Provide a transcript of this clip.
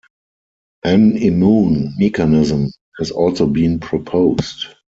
An immune mechanism has also been proposed.